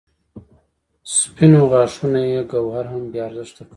سپینو غاښونو یې ګوهر هم بې ارزښته کړ.